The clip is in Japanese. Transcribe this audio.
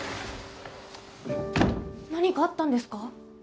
何かあったんですか？